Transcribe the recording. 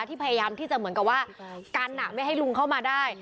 พยายามที่จะเหมือนกับว่ากันไม่ให้ลุงเข้ามาได้